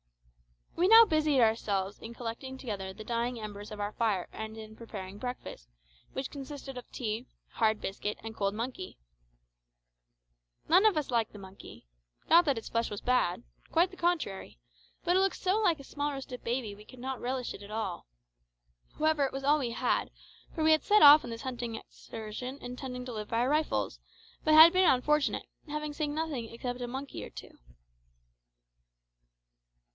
We now busied ourselves in collecting together the dying embers of our fire and in preparing breakfast, which consisted of tea, hard biscuit, and cold monkey. None of us liked the monkey; not that its flesh was bad quite the contrary but it looked so like a small roasted baby that we could not relish it at all. However, it was all we had; for we had set off on this hunting excursion intending to live by our rifles, but had been unfortunate, having seen nothing except a monkey or two.